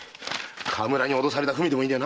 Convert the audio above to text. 河村に脅された文でもいいんだ。